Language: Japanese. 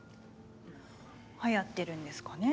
はやってるんですかね